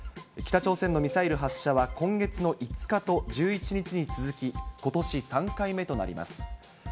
北朝鮮のミサイル発射は今月の５日と１１日に続き、ことし３回目となります。